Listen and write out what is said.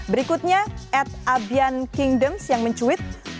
berikutnya at abian kingdoms yang mencuit